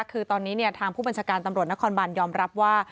คือตอนนี้ทางผู้บัญชาการตำรวจนครบานยอมรับว่า